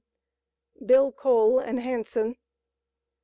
BILL COLE AND HANSON.